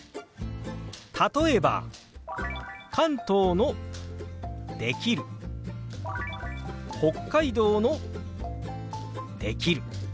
例えば関東の「できる」北海道の「できる」。